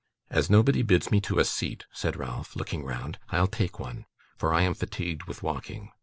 'As nobody bids me to a seat,' said Ralph, looking round, 'I'll take one, for I am fatigued with walking.